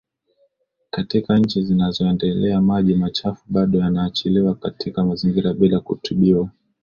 Katika nchi zinazoendelea maji machafu bado yanaachiliwa katika mazingira bila kutibiwa